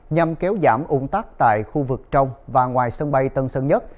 nhằm kéo giảm ung tắc tại khu vực trong và ngoài sân bay tân sơn nhất